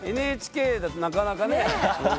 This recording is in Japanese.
ＮＨＫだとなかなかね。